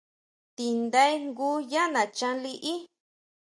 Tindae jngu yá nachan liʼí.